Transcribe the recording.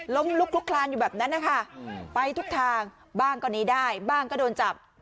ลุกลุกคลานอยู่แบบนั้นนะคะไปทุกทางบ้างก็หนีได้บ้างก็โดนจับ